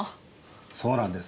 そうなんです。